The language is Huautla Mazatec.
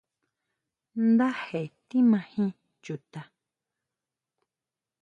Ndaje tjimajin Chuta.